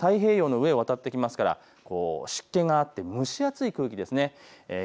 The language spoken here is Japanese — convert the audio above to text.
これは太平洋の上を渡ってくるので湿気があって蒸し暑い空気です。